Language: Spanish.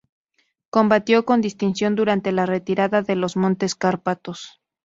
Combatió con distinción durante la retirada de los Montes Cárpatos.